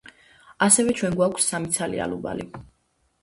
ასევე, ჩვენ გვაქვს სამი ცალი ალუბალი.